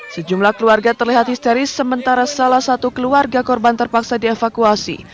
sejumlah keluarga terlihat histeris sementara salah satu keluarga korban terpaksa dievakuasi